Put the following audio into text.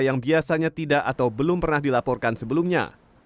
yang biasanya tidak atau belum pernah dilaporkan sebelumnya